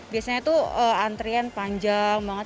biasanya tuh antrian panjang banget